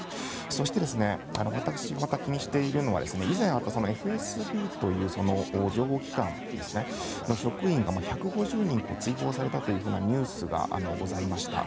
そして私が気にしているのは以前あったＦＳＢという情報機関の職員が１５０人追放されたというニュースがございました。